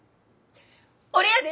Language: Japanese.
俺やで！